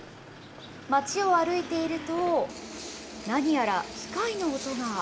町を歩いていると、何やら機械の音が。